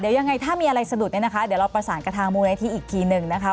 เดี๋ยวยังไงถ้ามีอะไรสะดุดเนี่ยนะคะเดี๋ยวเราประสานกับทางมูลนิธิอีกทีหนึ่งนะคะ